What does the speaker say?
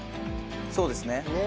そうですね。